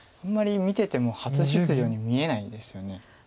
あんまり見てても初出場に見えないですよね。